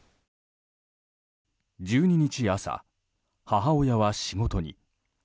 １２日朝、母親は仕事に。